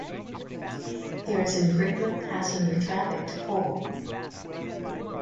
There is infrequent passenger traffic to Kovel.